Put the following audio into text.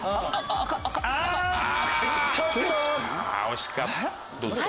惜しかった。